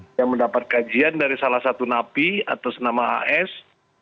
dia mendapat kajian dari salah satu napi atas nama as